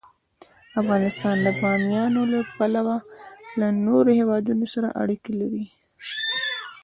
افغانستان د بامیان له پلوه له نورو هېوادونو سره اړیکې لري.